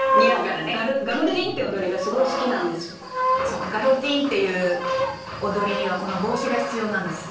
「そうガロティンっていう踊りにはこの帽子が必要なんです」